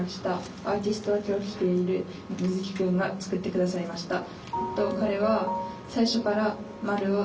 アーティストは今日来ているみずきくんが作って下さいました。